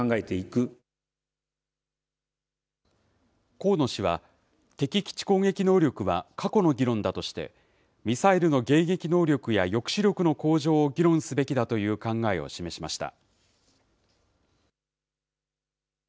河野氏は、敵基地攻撃能力は過去の議論だとして、ミサイルの迎撃能力や抑止力の向上を議論すべきだという考えを示しました。